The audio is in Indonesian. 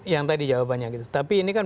yang tadi jawabannya gitu tapi ini kan